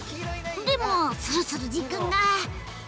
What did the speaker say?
でもそろそろ時間が。